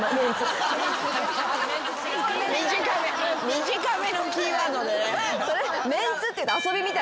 短めのキーワードでね。